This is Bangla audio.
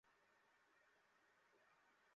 যদি কিছু দেন, তাহলে আমাকে, আর নিতে চাইলে, ওর কাছে।